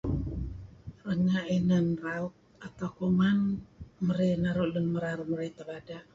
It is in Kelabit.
Renga' inan raut atau kuman marey nuru' lun merar marey tebada'.